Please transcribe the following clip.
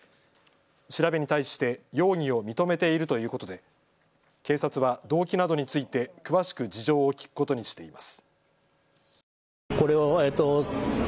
調べに対して容疑を認めているということで警察は動機などについて詳しく事情を聴くことにしています。